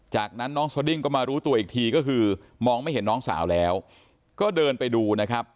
จากนั้นน้องสดิ้งก็มารู้ตัวอีกทีก็คือมองไม่เห็นน้องสาวแล้วก็เดินไปดูนะครับ